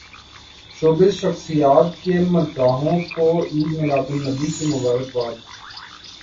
showbiz شخصیات کی مداحوں کو عید میلاد النبی کی مبارکباد